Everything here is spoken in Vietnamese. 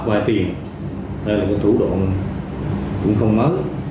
vay tiền đây là một thủ đồn cũng không mớ